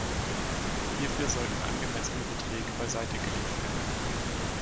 Hierfür sollten angemessene Beträge beiseite gelegt werden.